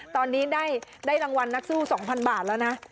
ตอนนี้ได้รางวัลนักสู้๒๐๐๐บาทแล้วนะ